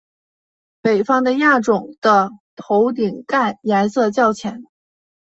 北方的亚种的头顶盖颜色较浅。